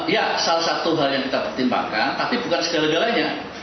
ya salah satu hal yang kita pertimbangkan tapi bukan segala galanya